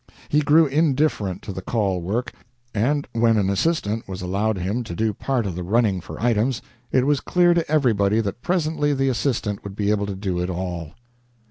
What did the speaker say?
He grew indifferent to the "Call" work, and, when an assistant was allowed him to do part of the running for items, it was clear to everybody that presently the assistant would be able to do it all.